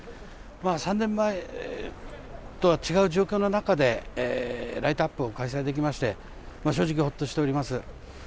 ３年前とは違う状況の中でライトアップを開催できまして正直、ほっとしております。